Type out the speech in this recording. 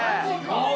うわ！